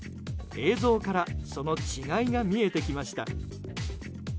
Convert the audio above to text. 映像からその違いが見えてきました。